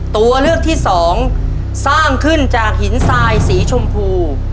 ตัวเลือกที่สองสร้างขึ้นจากหินทรายสีชมพู